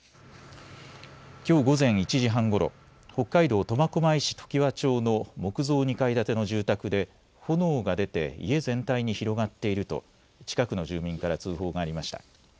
きょう午前１時半ごろ、北海道苫小牧市ときわ町の木造２階建ての住宅で炎が出て家全体に広がっていると近くの住民から通報がありました。